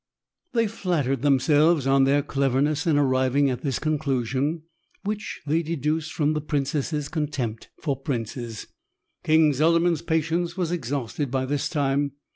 They flattered themselves on their cleverness in arriving at this conclusion, which they deduced from the princess contempt for princes. King Zuliman's patience was exhausted by this time.